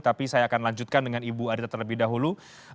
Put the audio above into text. tapi saya akan lanjutkan dengan ibu adita terlebih dahulu